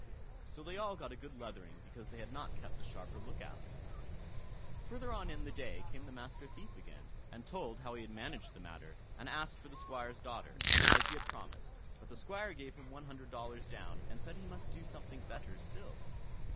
So they all got a good leathering because they had not kept a sharper look out. Further on in the day came the Master Thief again, and told how he had managed the matter, and asked for the Squire's daughter, as he had promised; but the Squire gave him one hundred dollars down, and said he must do something better still.